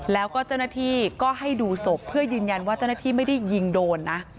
แล้วก็เจ้าหน้าที่ก็ให้ดูศพเพื่อยืนยันว่าเจ้าหน้าที่ไม่ได้ยิงโดนนะ